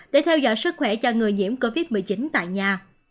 để theo dõi sức khỏe cho người nhiễm covid một mươi chín tại nhà